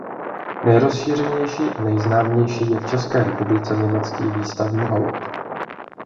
Nejrozšířenější a nejznámější je v České republice německý výstavní holub.